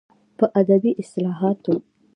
په ادبي اصلاحاتو